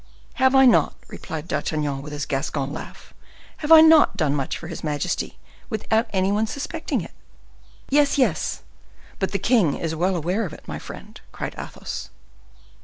"Have I not," replied D'Artagnan, with his Gascon laugh, "have I not done much for his majesty, without any one suspecting it?" "Yes, yes, but the king is well aware of it, my friend," cried Athos.